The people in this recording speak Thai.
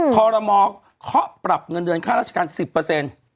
คอรมอเคาะปรับเงินเดือนค่าราชการ๑๐เปอร์เซ็นต์